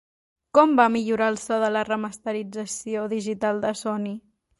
Com va millorar el so la remasterització digital de Sony?